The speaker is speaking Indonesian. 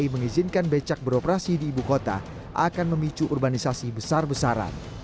mengizinkan becak beroperasi di ibu kota akan memicu urbanisasi besar besaran